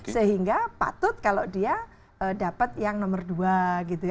sehingga patut kalau dia dapat yang nomor dua gitu ya